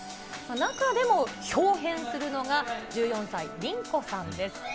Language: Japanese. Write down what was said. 中でもひょう変するのが、１４歳、リンコさんです。